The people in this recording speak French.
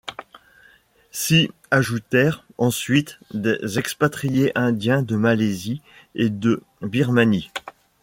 S'y ajoutèrent, ensuite, des expatriés indiens de Malaisie et de Birmanie.